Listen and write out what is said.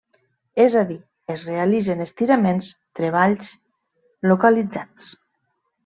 És a dir, es realitzen estiraments, treballs localitzats.